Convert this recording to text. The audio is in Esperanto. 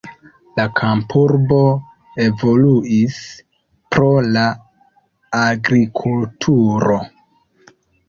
La kampurbo evoluis pro la agrikulturo.